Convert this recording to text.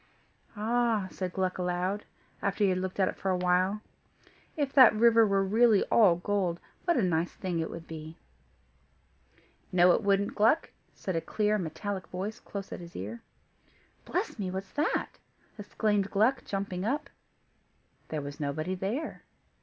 "Ah!" said Gluck aloud, after he had looked at it for a while, "if that river were really all gold, what a nice thing it would be." "No it wouldn't, Gluck," said a clear, metallic voice close at his ear. "Bless me! what's that?" exclaimed Gluck, jumping up. There was nobody there.